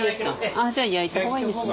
ああじゃあ焼いた方がいいんですね。